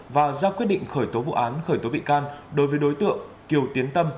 và ra quyết định khởi tố vụ án khởi tố bị can đối với đối tượng kiều tiến tâm